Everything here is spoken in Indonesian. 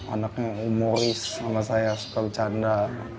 anaknya humoris sama saya suka bercanda